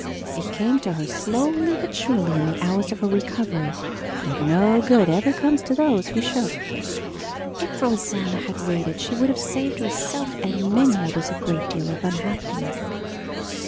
It came to her slowly but surely in the hours of her recovery that no good ever comes to those who shirk. If Rosanna had waited, she would have saved herself and many others a great deal of unhappiness.